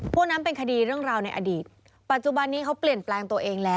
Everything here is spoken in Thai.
พวกนั้นเป็นคดีเรื่องราวในอดีต